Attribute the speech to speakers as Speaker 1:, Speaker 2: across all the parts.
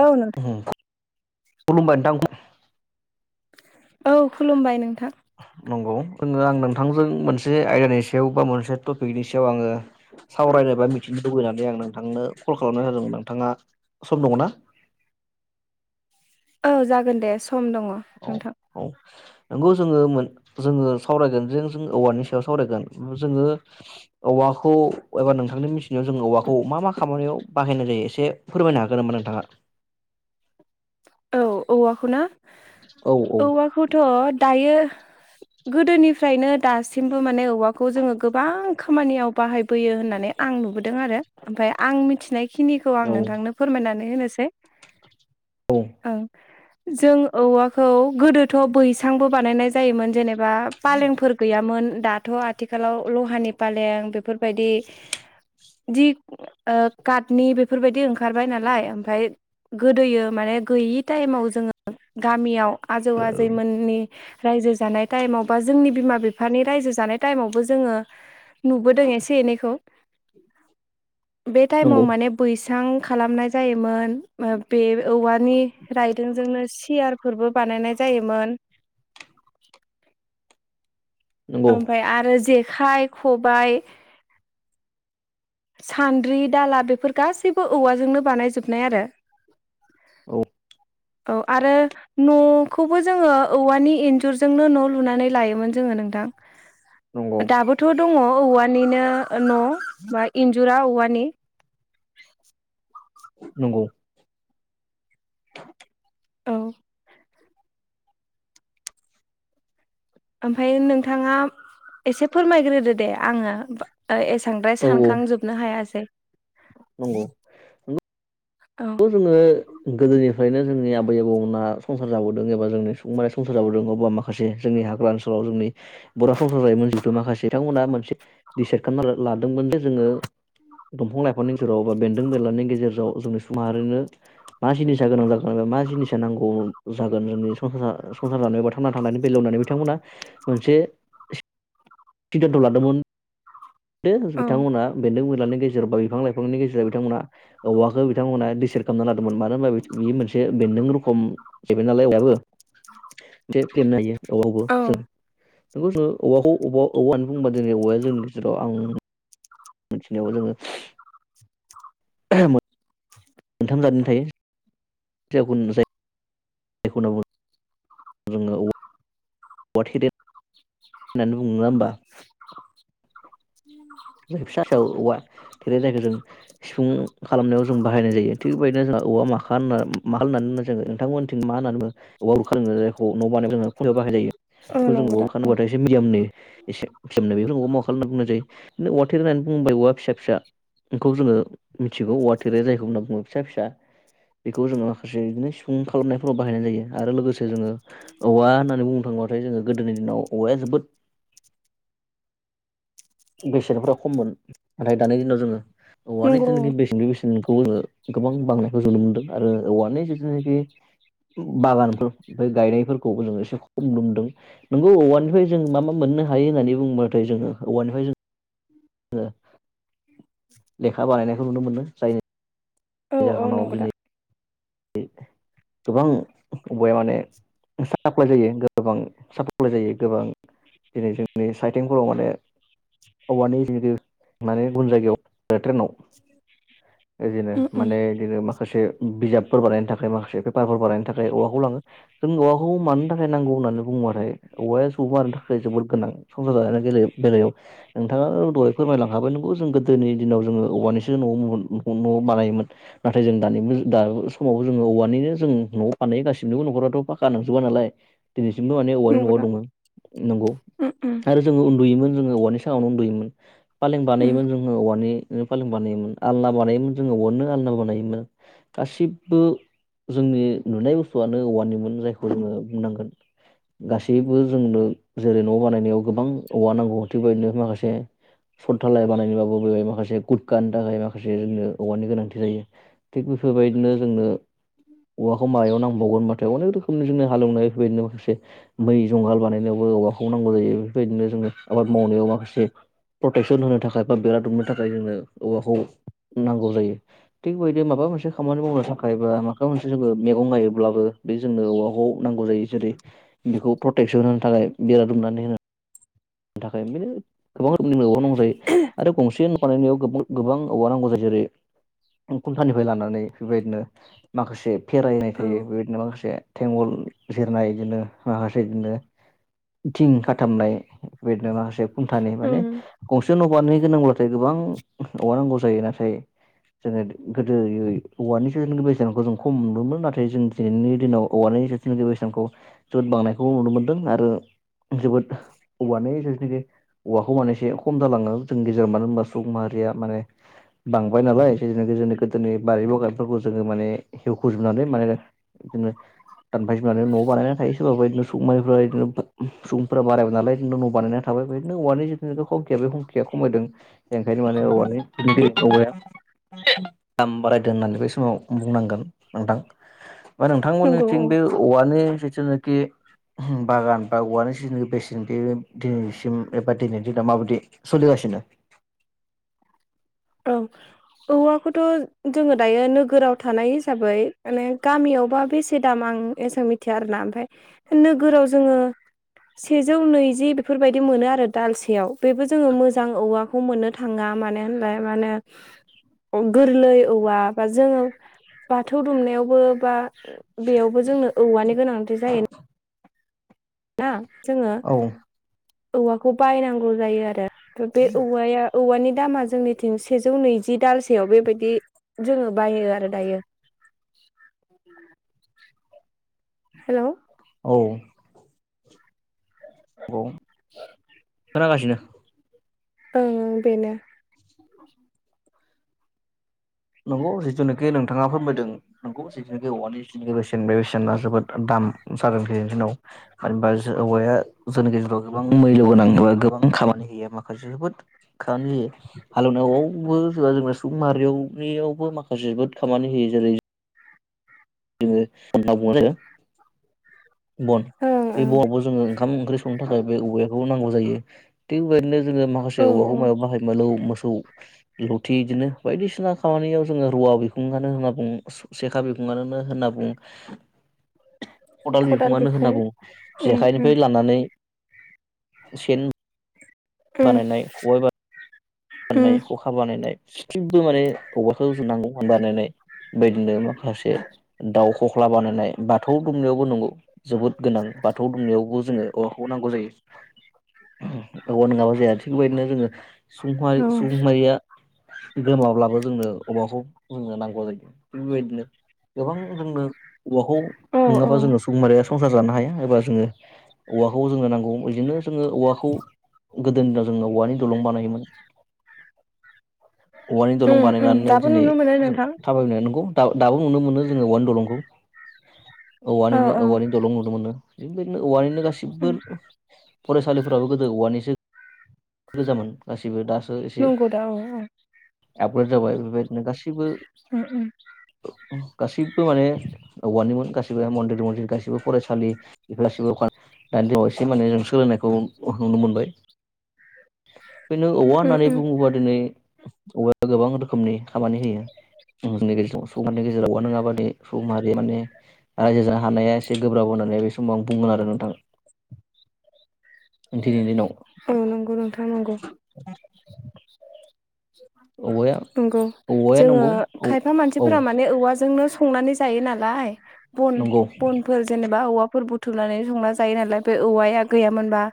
Speaker 1: औ नोंथां
Speaker 2: खुलुमबाय नोंथां
Speaker 1: औ खुलुमबाय नोंथां।
Speaker 2: नंगौ जोङो आं नोंथांजों मोनसे आयदानि सायाव बा मोनसे टपिकनि सायाव आङो सावरायनो बा मिथिनो लुबैनानै आं नोंथांनो कल खालामनाय जादोंमोन नोंथाङा सम दङ ना?
Speaker 1: औ जागोन दे सम दङ।
Speaker 2: औ
Speaker 1: नोंथां
Speaker 2: औ। नंगौ जोङो जोङो सावरायगोन जे जों औवानि सायाव सावरायगोन जोङो औवाखौ एबा नोंथांनि मिथिनायाव जों औवाखौ मा मा खामानियाव बाहायनाय जायो एसे फोरमायनो हागोन होनबा नोंथाङा?
Speaker 1: औ औवाखौ ना?
Speaker 2: औ औ।
Speaker 1: थ' दायो गोदोनिफ्रायनो दासिमबो माने औवाखौ जोङो गोबां खामानियाव बाहायबोयो होननानै आं नुबोदों आरो ओमफ्राय आं मिथिनायखिनिखौ आं
Speaker 2: औ
Speaker 1: नोंथांनो फोरमायनानै होनोसै।
Speaker 2: औ।
Speaker 1: ओं जों औवाखौ गोदोथ' बैसांबो बानायनाय जायोमोन। जेनेबा पालेंफोर गैयामोन। दाथ' आथिखालाव लहानि फालें बेफोरबायदि [unintelligible] काटनि बेफोरबायदि ओंखारबाय नालाय ओमफ्राय गोदोयो माने गैयि टाइमाव जोङो गामियाव आजौ आजैमोननि रायजो जानाय टाइमाव बा जोंनि बिमा बिफानि रायजो जानाय टाइमावबो जोङो नुबोदों एसे एनैखौ। बे टाइमाव
Speaker 2: नंगौ
Speaker 1: माने बैसां खालामनाय जायोमोन बे औवानि रायदोंजोंनो सियार फोरबो बानायनाय जायोमोन।
Speaker 2: नंगौ
Speaker 1: ओमफ्राय आरो जेखाइ, खबाय सान्द्रि दाला बेफोर गासैबो औवाजोंनो बानायजोबनाय आरो।
Speaker 2: औ।
Speaker 1: औ आरो न'खौबो जोङो औवानि एन्जुरजोंनो न' लुनानै लायोमोन जोङो नोंथां।
Speaker 2: नंगौ
Speaker 1: दाबोथ' दङ औवानिनो न' बा इन्जुरा औवानि।
Speaker 2: नंगौ।
Speaker 1: औ। ओमफायो नोंथाङा एसे फोरमायग्रोदो दे आङो एसांद्राय
Speaker 2: औ
Speaker 1: सानखांजोबनो हायासै।
Speaker 2: नंगौ
Speaker 1: औ।
Speaker 2: खौ जोङो गोदोनिफ्रायनो जोंनि आबै आबौमोना संसार जाबोदों एबा जोंनि सुबुं संसार जाबोदों नङा ओमबा, माखासे जोंनि हाग्रा ओनसोलाव जोंनि बर' संसार जायोमोन जिहथु माखासे बिथांमोना मोनसे दिसाइद खालामना लादोंमोन जे जोङो दंफां लाइफांनि गेजेराव बा बेन्दों बेलानि गेजेराव जों माहारिनो मा जिनिसा गोनां जागोना मा जिनिसा नांगौ जागोन जोंनि संसार जा संसार जानायाव बा थांना थानायनि बेलायाव होननानै बिथांमोना मोनसे सिदानथ' लादोंमोन।
Speaker 1: औ
Speaker 2: बिथांमोना बेन्दों बेलानि गेजेराव बा बिफां लाइफांनि गेजेराव बिथांमोना औवाखौ बिथांमोना दिसेर खालामना लादोंमोन मानो होनबा बे मोनसे बेन्दों रखम जाहैबाय नालाय औवायाबो। फेदेमनो हायो
Speaker 1: औ
Speaker 2: औवाखौबो [unintelligible] औवाया जोंनि [unintelligible] जेराव आं मिथिनायाव जोङो मोनथाम जादनि थायो। [unintelligible] [unintelligible] जोंङो औवा [unintelligible]
Speaker 1: [inaudible]
Speaker 2: होननानै बुङो नङा होमबा?
Speaker 1: [inaudible]
Speaker 2: जों फिसा फिसा औवा थेरेनि जायगायाव जों सिफुं खालामनायाव जों बाहायनाय जायो थिग बेबायदिनो जोंहा औवा माख होन माखा होननानै जोङ
Speaker 1: औ नंगौ दा
Speaker 2: नोंथांमोन [unintelligible] [unintelligible] खौ जोङो मिथिगौ औवा थेरे जायखौ होनना बुङो फिसा फिसा बेखौ जोङो माखासे बिदिनो सिफुं खालामनायफोराव बाहायनाय जायो आरो लोगोसे जोङो औवा होननानै बुंनो थाङोबाथाय जोङो गोदोनि दिनाव औवाया जोबोद बेसेनफ्रा खममोन नाथाय दानि दिनाव जोङो औवनो
Speaker 1: नंगौ
Speaker 2: जोंनि बेसेननि बेसेन खौ गोबां बांनायखौ नुनो मोनदों आरो औवानि जिथुनाखि बागानफोर ओमफ्राय गायनायफोरखौबो जों एसे खम नुमदों। नोंगौ औवानिफ्राय जों मा मा मोननो हायो होननानै बा बुंङोबाथाय जोङो औवानि [unintelligible] लेखा बानायनायखौ नुनो मोनो
Speaker 1: औ
Speaker 2: जायनि
Speaker 1: औ
Speaker 2: जाहोनाव
Speaker 1: नंगौ दा
Speaker 2: दिनै गोबां औवाया माने [unintelligible] दिनै जोंनि साइथिंफोराव माने औवानि जेखि माने गुबुन जायगायाव ट्रेनाव इदिनो माने इदिनो माखासे बिजाब फोर बानायनो थाखाय माखासे पेपारफोर बानायनो थाखाय औवाखौ लाङो जों औवाखौ मानो थाखाय नांगौ होननानै बुङोब औवाया सुबुं हारिनो थाखाय जोबोद गोनां संसार जानायनि बेलायाव। नोंथाङा दहाय फोरमायलांखाबाय नंगौ जों गोदोनि दिनाव जोङो औवानिसो न न'आव बानायोमोन नाथाय जों दानि मु दा समावबो जों औवानिनो जों नआव बानायगासिनोबो न'खराथ फाखा नांजोबा नालाय। दिनैसिमबो माने औवानि
Speaker 1: नंगौ
Speaker 2: न'आव
Speaker 1: दा
Speaker 2: दङ नंगौ आरो जोङो उन्दुयोमोन जोङो औवानि साङावनो उन्दुयोमोन फालें बानायोमोन जोङो औवानि। नि फालें बानायोमोन आलना बानायोमोन जोङो औवानिनो आलना बानायोमोन गासिब बो जोंनि नुनाय बुस्थुआनो औवानिमोन जायखौ जोङो बुंनांगोन गासैबो जोंनो जेरै न' बानायनायाव गोबां औवा नांगौ थिग बेबायदिनो माखासे सददालाय बानायनोबाबो बेहाय माखासे गुद गानो थाखाय माखासे जोंनो औवानि गोनांथि जायो। थिग बेफोरबायदिनो जोंङो औवाखौ मायाव नांबावगोन होनबाथाय अनेक रोखो खोम जोंनि हालेवनाय बेबायदिनो माखासे मै जंगाल बानायनायावबो औवाखौ नांगौ जायो बेफोरबायदिनो जोङो आबाद मावनायाव माखासे प्रटेकसन होनो थाखाय बेरा दुमनो थाखाय जोंनो औवाखौ नांगौ जायो थिग बेदि माबा मोनसे खामानि मावनो था खायबा माखा मोनसे जोंङो मैगं गायोब्लाबो बे जोंनो औवाखौ नांगौ जायो जेरै बेखौ प्रटेकसन होनो थाखाय बेरा दुमनानै होनो थाखायनो गोबां रोखोमनि माव नांगौ जायो आरो गंसे बानायनायाव गोबां औवा नांगौ जायो जेरै खुनटानिफ्राय लानानै बेफोरबायदिनो माखासे फेरायनाय थायो बेबायदिनो माखासे थेंगल जिरनाय इदिनो माखासे इदिनो थिं खाथामनाय इबादिनो माखासे खुन्थानि माने
Speaker 1: उम
Speaker 2: गंसे न' बानो गोनांब्लाथाय गोबां औवा नांगौ जायो नाथाय। जोङो गोदोयै औवानि जोन बे जखौ जों खम नुनोमोन नाथाय जों दिनैनि दिनाव औवानि जोंनि बैसांखौ जद बांनायखौ नुनो मोन्दों आरो जोबोद औवानि जेरनाखि औवाखौ माने एसे खम जालाङो जोंनि गेजेराव मानो होनबा सुबुं माहारिया माने बांबाय नालाय जे जनो गोदोनि गोदोनि बारि बगानफोरखौ जोङो माने हेवखजोबनानै माने बिदिनो दानफाय जोमनानै न'आव बानायनानै थायो सोरबाबा बिदिनो संनायफोरा बिदिनो सुबुंफोरा बारायबाय नालाय बिदिनो बानायना थाबाय बिदिनो औवानि जिथुनु हंखिया बे हंखिया खमायदों ओंखायनो माने औवानि दो औवाया दाम बारायदों होननानै बै समाव बुंनांगोन नोंथां बा
Speaker 1: नंगौ औ
Speaker 2: नोंथांमोननिथिं बे औवानि जिथुनाखि बागान बा औवानि जिथुनाखि बेसेन बे दिनैसिम एबा दिनैनि दिनाव माबायदि सोलिगासिनो
Speaker 1: औ औवाखौथ' जोङो दायो नोगोराव थानाय हिसाबै माने गामियावबा बेसे दाम आं एसां मिथिया आरोना ओमफाय नोगोराव जोङो सेजौ नैजि बेफोरबायदि मोनो आरो दालसेयाव बेबो जोङो मोजां औवा खौ मोननो थाङा मानो होनबा माने गोरलै औवा बा जोङो बाथौ दुमनायावबो बा बेयावबो जोंनो औवानि गोनांथि जायो ना जोङो
Speaker 2: औ
Speaker 1: औवाखौ बायनांगौ जायो आरो बे औवाया औवानि दामा जोंनिथिं सेजौ नैजि दालसेयाव बेबायदि जोङो बायो आरो दायो हेलौ
Speaker 2: औ औ खोनागासिनो
Speaker 1: ओं बेनो
Speaker 2: नोंग जिथुखि नोंथाङा फोरमायदों नोंखौ जिथुखि औवानि बेसेन बे बेसेना जोबोद दाम जादों बे जोंनाव मबा हौवाया जोंनि गेजेराव गोबां मैल्य गोनां एबा गोबां खामानि होयो माखासे जोबोद खानो जायो हालेवनायावावबो जोंहा जोंना सुबुं माहारियाव यावबो माखासे जोबोद खामानि होयो जेरै जोङो होनना बुङो आरो बन
Speaker 1: ओं
Speaker 2: बे
Speaker 1: ओं
Speaker 2: बनाव जोङो ओंखाम ओंख्रि नो थाखाय बे औवाखौ नांगौ जायो थिग बेदिनो जोङो
Speaker 1: औ
Speaker 2: माखासे औवाखौ
Speaker 1: औ
Speaker 2: मायाव बाहायो मलौ मोसौ लथि बिदिनो बायदिसिना खामानियाव जोङो रुवा बिखुं गानो होनना बुं सेखा बिगखुङानो होनना बुं खदाल बिखुङानो होनना बुङो
Speaker 1: उम उम
Speaker 2: जेखाइनिफ्राय लानानै सेन
Speaker 1: उम
Speaker 2: बानायनाय खबाय बानाय बाननाय
Speaker 1: उम
Speaker 2: खखा बानायनाय जेथिंबो माने औवाखौ नांगौ बानायनाय बेदिनो माखासे दाउ खख्ला बानायनाय बाथौ दुमनायावबो नंगौ जोबोद गोनां बाथौ दुमनायावबो जोङो औवाखौ नांगौ जायो औवा नङाबा जाया थिग बेबायदिनो जोङो [unintelligible]
Speaker 1: औ
Speaker 2: गोमाब्लाबो जोंनो औवाखौ जोंनो नांगौ जायो थिग बेबायदिनो गोबां जोंनो औवाखौ
Speaker 1: औ औ
Speaker 2: नङाबा जोङो सुबुंमाहारिया संसार जानो हाया एबा जोङो औवाखौ जोंनो नांगौ बिदिनो जोङो औवाखौ गोदोनि दिनाव जोङो औवानि दलं बानायोमोन औवानि दलं
Speaker 1: उम उम
Speaker 2: बानायनानैनो
Speaker 1: दाबो
Speaker 2: दिनै
Speaker 1: नुनो मोनो
Speaker 2: जों
Speaker 1: नोंथां
Speaker 2: थाबायनो नोंगौ दा दाबो नुनो मोनो जोङो औवानि दलंखौ
Speaker 1: औ
Speaker 2: औवानि
Speaker 1: औ
Speaker 2: औवानि दलं नुनो मोनो बेबायदिनो औवानिनो
Speaker 1: उम
Speaker 2: गासिबो फरायसालिफोराबो गोदो औवानिसो गोजामोन गासैबो दासो एसे
Speaker 1: नंगौ दा औ औ
Speaker 2: आपग्रेड जाबाय बेबायदिनो गासैबो
Speaker 1: उम उम
Speaker 2: गासिबो माने औवानिमोन गासिबो मन्दिर मन्दिर गासिबो फरायसालि गासिबो दानि दिनाव एसे माने जों सोलायनायखौ नुनो मोनबाय बेनो औवा
Speaker 1: उम
Speaker 2: होननानै
Speaker 1: उम
Speaker 2: बुङोबा दिनै औवाया गोबां रोखोमनि खामानि होयो जोंनि गेजेर सुबुंनि गेजेराव नङाबा मानि सुबुं माहारि माने रायजो जानो हानाया एसे गोब्राब होननानै बे समाव आं बुंगोन आरो नोंथां। दिनैनि दिनाव
Speaker 1: औ नंगौ नोंथां नंगौ।
Speaker 2: [inaudible] औवाया
Speaker 1: नंगौ
Speaker 2: औवाया
Speaker 1: जोङो
Speaker 2: नंगौ औ
Speaker 1: खायफा
Speaker 2: औ
Speaker 1: मानसिफोरा मान औवाजोंनो संनानै जायो नालाय बन
Speaker 2: नंगौ
Speaker 1: बन फोर जेनेबा औवाफोर बुथुमनानै संना जायो नालाय बे औवाया गैयामोनबा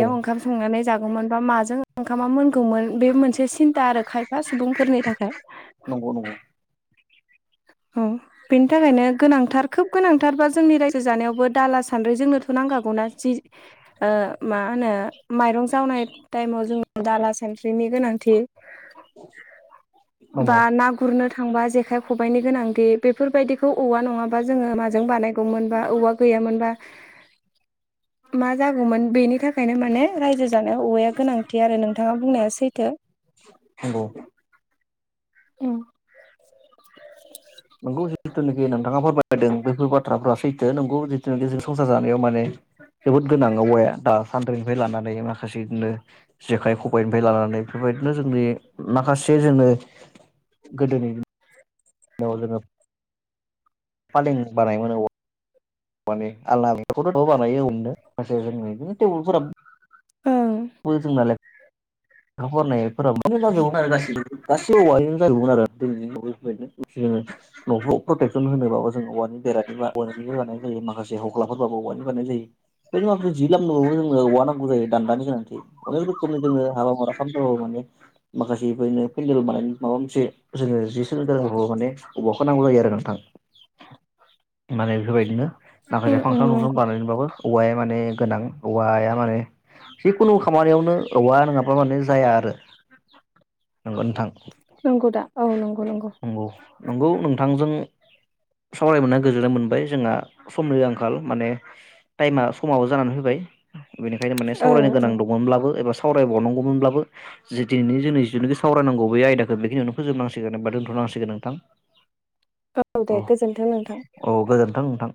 Speaker 2: औ
Speaker 1: ओंखाम संनानै जागौमोन बा माजों ओंखामा मोनगौमोन बे मोनसे सिन्था आरो खाय फा सुबुंफोरनि थाखाय।
Speaker 2: औ नंगौ
Speaker 1: औ बेनि थाखायनो गोनांथार खोब गोनांथारबा जोंनि रायजो जानायावबो दाला सान्द्रि जोंनोथ' नांखागौना जि मा होनो माइरं जावनाय टाइमाव जों दाला सा सानद्रिनि गोनां बा
Speaker 2: नंगौ
Speaker 1: ना गु ना गुरनो थांबा जेखाइ खबाइनि गोनांथि बेफोरबायदिखौ औवा नङाबा जोङो माजों बानाय गौमोन बा औवा गैयामोनबा मा जागौमोन बेनि थाखायनो माने रायजो जानायाव औवाया गोनांथि आरो नोंथाङा बुंनाया सैथो।
Speaker 2: नंगौ
Speaker 1: उम
Speaker 2: नंगौ जिथुनाखि नोंथाङा फोरमायदों बेफोर बाथ्राफ्रा सैथो नोंगौ जिथुनाखि जों संसार जानायाव माने जोबोद गोनां औवाया दा सान्द्रिनिफ्राय लानानै माखासे बिदिनो जेखाइ खबाइनिफ्राय लानानै बेफोरबायदिनो जोंनि माखासे जोङो गोदोनि खौ जोङो फालें बानायोमोन औवा वानि माने आलना बेफोरखौबो बानायो औवानिनो माखासे जोंनि बिदिनो टेबोलाफोराबो
Speaker 1: उम
Speaker 2: खौ बो जोंना लेखा फरायनायफोराव बिजोंनो जाजोबो आरो गासिबो। गासै औवानिनो जाजोबो आरो [unintelligible] न'खौ प्रटेकसन होनोबाबो जों औवानि बेरा औानि बानायनाय जायो माखासे हख्लाफोरबाबो औवानि बानायनाय जायो। बेनि उनाव जों जि लामनोबावो जोंङो औवा नांगौ जायो दानानि गोनांथि। अनेक रोखोमनि जोंनो हाबा मावनो खालामदोंबो माने माखासे बेफोरनो पेन्देल बानायनो माबा मोनसे जोङो जि सोंनो थाखायबाबो माने औवाखौ नांगौ जायो आरो नोंथां। माने बेफोरबायदिनो
Speaker 1: उम
Speaker 2: माखासे
Speaker 1: उम
Speaker 2: फांसन फांसन
Speaker 1: नंगौ
Speaker 2: बानायनोबाबो औवाया माने गोनां औवाया माने खुनु खामानियावनो औवा नङाब्ला माने जाया आरो नंगौ नोंथां।
Speaker 1: नंगौ दा औ नंगौ नंगौ
Speaker 2: नंगौ नोंथांजों सावरायमोनना गोजोननाय मोनबाय जोंहा समनि आंखाल माने टाइमा समाबो जानानै फैबाय बेनिखायनो माने
Speaker 1: औ
Speaker 2: सावरायनो गोनां ब्लाबो एबा सावरायबावनांगौमोनब्लाबो जे दिनै जों जिथुनिखि सावरायनांगौ बे आयदाखौ बेखिनियावनो फोजोबनांसिगोन होनबा दोनथ'नांसिगोन नोंथां।
Speaker 1: औ दे गोजोन्थों नोंथां।
Speaker 2: औ गोजोन्थों नोंथां।